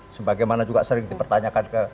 sebagaimana juga sering dipertanyakan